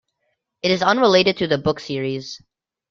It is unrelated to the book series.